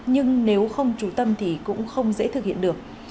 nhưng nếu không trú tâm thì cũng không dễ thực hiện được